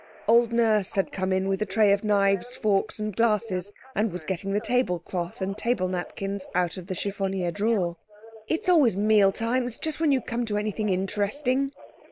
_" Old Nurse had come in with the tray of knives, forks, and glasses, and was getting the tablecloth and table napkins out of the chiffonier drawer. "It's always meal times just when you come to anything interesting."